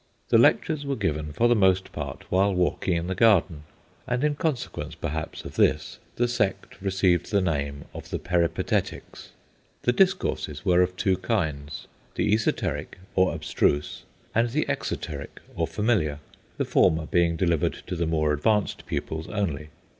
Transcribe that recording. The lectures were given for the most part while walking in the garden, and in consequence, perhaps, of this, the sect received the name of the Peripatetics. The discourses were of two kinds the esoteric, or abstruse, and the exoteric, or familiar; the former being delivered to the more advanced pupils only.